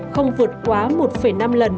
không vượt quá một năm lần